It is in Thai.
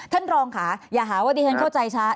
ท่านรองค่ะอย่าหาว่าดิฉันเข้าใจช้า